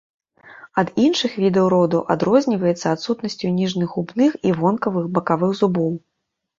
Ад іншых відаў роду адрозніваецца адсутнасцю ніжніх губных і вонкавых бакавых зубоў.